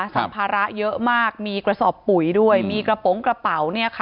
สัมภาระเยอะมากมีกระสอบปุ๋ยด้วยมีกระโปรงกระเป๋า